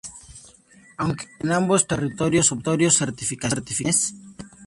Aunque, en ambos territorios obtuvo certificaciones.